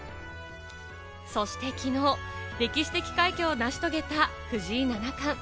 そしてきのう、歴史的快挙を成し遂げた藤井七冠。